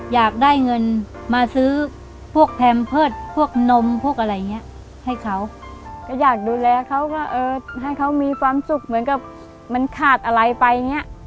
อยากได้เงินมาซื้อพวกแพมเพิร์ตพวกนมพวกอะไรอย่างเงี้ยให้เขาก็อยากดูแลเขาก็เออให้เขามีความสุขเหมือนกับมันขาดอะไรไปอย่างเงี้ย